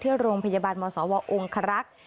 ที่โรงพยาบาลมศวองครักษ์